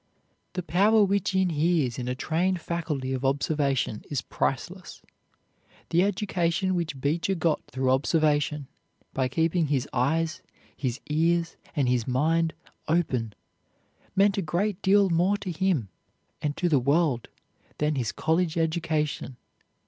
The power which inheres in a trained faculty of observation is priceless. The education which Beecher got through observation, by keeping his eyes, his ears, and his mind open, meant a great deal more to him and to the world than his college education.